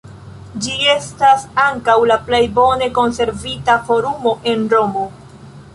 Ĝi estas ankaŭ la plej bone konservita forumo en Romo.